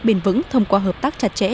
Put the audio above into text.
bền vững thông qua hợp tác chặt chẽ